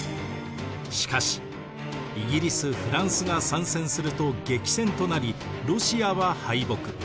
しかしイギリスフランスが参戦すると激戦となりロシアは敗北。